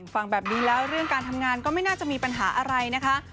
ฟังแบบนี้แล้วเรื่องการทำงานก็ไม่น่าจะมีปัญหาอะไรนะคะ